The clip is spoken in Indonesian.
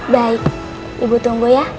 baik ibu tunggu ya